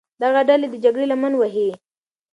دغه ډلې د جګړې لمن وهي.